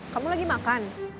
kamu lagi makan